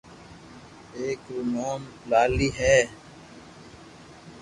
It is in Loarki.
اآڪ رو نوم لالي ھي